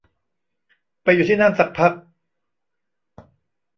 ไปอยู่ที่นั่นสักพัก